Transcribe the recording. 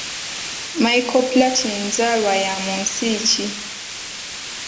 Michel Platin nzaalwa ya mu nsi ki?